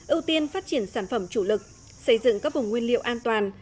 ưu tiên phát triển sản phẩm chủ lực xây dựng các vùng nguyên liệu an toàn